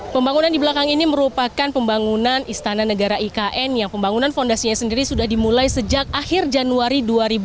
pembangunan di belakang ini merupakan pembangunan istana negara ikn yang pembangunan fondasinya sendiri sudah dimulai sejak akhir januari dua ribu dua puluh